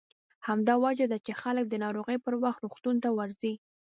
همدا وجه ده چې خلک د ناروغۍ پر وخت روغتون ته ورځي.